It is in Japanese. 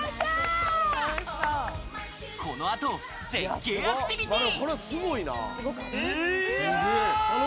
このあと絶景アクティビティー！